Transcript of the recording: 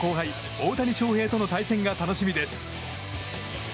大谷翔平との対戦が楽しみです。